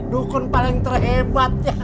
dukun paling terhebat